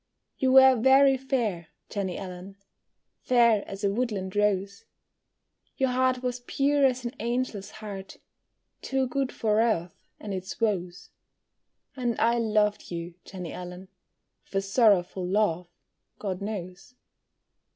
You were very fair, Jenny Allen, Fair as a woodland rose; Your heart was pure as an angel's heart, Too good for earth and its woes, And I loved you, Jenny Allen, With a sorrowful love, God knows.